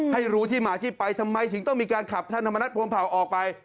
ให้รู้ที่มาที่ไปทำไมถึงต้องมีการขับท่านธรรมนัฐพรมเผาออกไป